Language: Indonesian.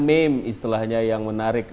meme istilahnya yang menarik